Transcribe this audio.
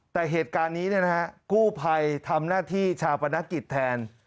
แต่เหตุการณ์นี้กู้ภัยทำหน้าที่ชาปนกิจแทน